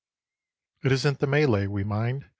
It isn't the melee we mind.